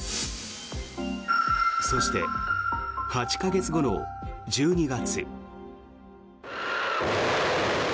そして、８か月後の１２月。